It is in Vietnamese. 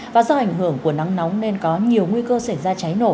và do ảnh hưởng của nắng nóng nên có nhiều nguy cơ xảy ra cháy nổ